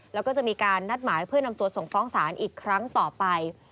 แล้วก็จะมีการนัดหมายเพื่อนำตัวส่งฟ้องศาลอีกครั้งต่อไป